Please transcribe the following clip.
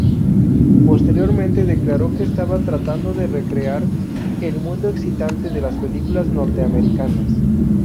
Posteriormente declaró que estaba tratando de recrear el mundo excitante de las películas norteamericanas.